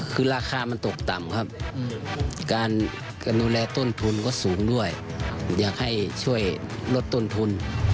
คือราคามันตกต่ำครับการดูแลต้นทุนก็สูงด้วยอยากให้ช่วยลดต้นทุน